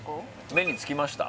目につきました？